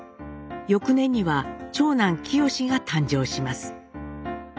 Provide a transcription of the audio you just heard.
翌年には長男清が誕生します。